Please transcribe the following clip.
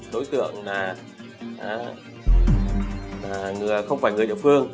đối tượng là không phải người địa phương